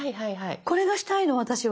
これがしたいの私は。